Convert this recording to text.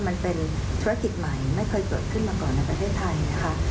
มันเป็นธุรกิจใหม่ไม่เคยเกิดขึ้นมาก่อนในประเทศไทยนะคะ